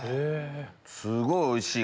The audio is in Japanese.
すごいおいしい！